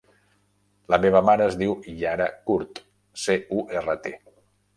La meva mare es diu Yara Curt: ce, u, erra, te.